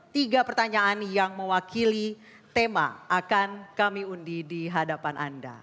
tiga pertanyaan yang mewakili tema akan kami undi di hadapan anda